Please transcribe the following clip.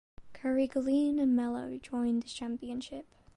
Carrigaline and Mallow joined the championship.